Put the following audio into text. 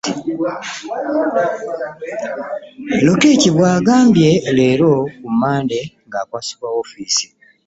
Lokech bw' agambye leero ku Mmande ng'akwasibwa woofiisi.